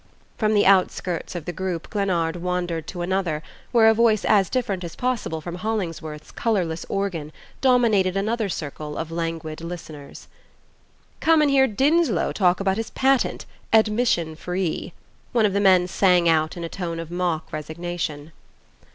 From the outskirts of this group Glennard wandered to another, where a voice as different as possible from Hollingsworth's colorless organ dominated another circle of languid listeners. "Come and hear Dinslow talk about his patent: admission free," one of the men sang out in a tone of mock resignation.